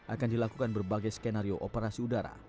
akan dilakukan berbagai skenario operasi udara